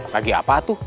lagi apa tuh